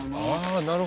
なるほど。